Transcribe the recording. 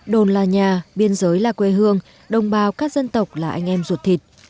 đồn là nhà biên giới là quê hương đồng bào các dân tộc là anh em ruột thịt